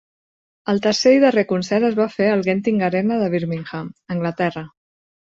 El tercer i darrer concert es va fer al Genting Arena de Birmingham, Anglaterra.